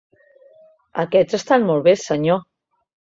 Aquests estan molt bé, senyor.